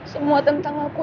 semuanya tentang aku